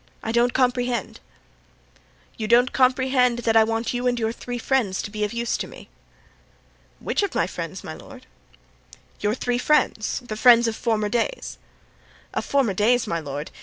I don't comprehend." "You don't comprehend that I want you and your three friends to be of use to me?" "Which of my friends, my lord?" "Your three friends—the friends of former days." "Of former days, my lord!